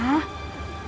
aku mau ke rumah